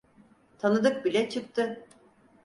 Tanıdık bile çıktı.